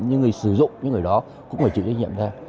những người sử dụng những người đó cũng phải chịu trách nhiệm ra